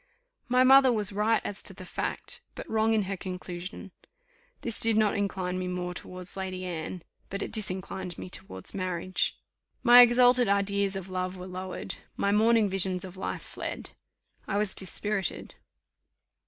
My mother was right as to the fact, but wrong in her conclusion. This did not incline me more towards Lady Anne, but it disinclined me towards marriage. My exalted ideas of love were lowered my morning visions of life fled I was dispirited.